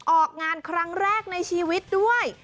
ออกงานครั้งแรกในชีวิตด้วย